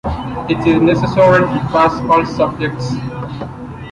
It is necessary to pass all subjects.